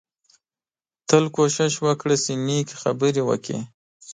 تل کوشش وکړه چې نېکې خبرې وکړې